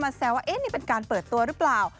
แซวว่านี่เป็นการเปิดตัวหรือเปล่า